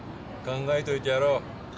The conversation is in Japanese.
考えといてやろう。